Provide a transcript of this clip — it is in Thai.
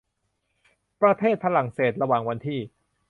ประเทศฝรั่งเศส ระหว่างวันที่